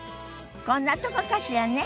こんなとこかしらね。